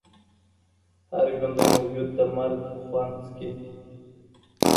هر ژوندی موجود د مرګ خوند څکي.